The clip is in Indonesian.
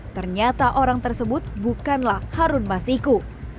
ternyata orang tersebut bukanlah harun masiku